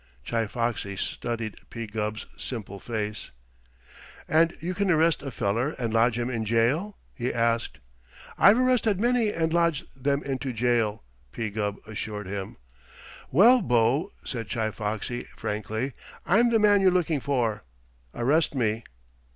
Chi Foxy studied P. Gubb's simple face. "And you can arrest a feller and lodge him in jail?" he asked. "I've arrested many and lodged them into jail," P. Gubb assured him. "Well, bo," said Chi Foxy frankly, "I'm the man you're looking for. Arrest me."